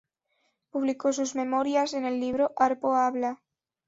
Publicó sus memorias en el libro "¡Harpo Habla!